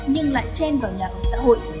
nhưng lại chen vào nhà ở xã hội